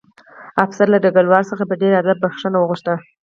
افسر له ډګروال څخه په ډېر ادب بښنه وغوښته